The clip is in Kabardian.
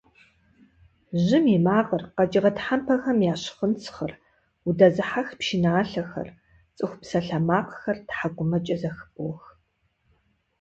Жьым и макъыр, къэкӀыгъэ тхьэмпэхэм я щхъынцхъыр, удэзыхьэх пшыналъэхэр, цӀыху псалъэмакъхэр тхьэкӀумэкӀэ зэхыбох.